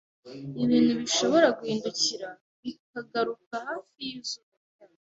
ibintu bishobora guhindukira bikagaruka hafi yizuba ryacu.